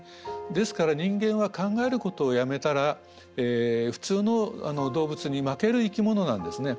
ですから人間は考えることをやめたら普通の動物に負ける生き物なんですね。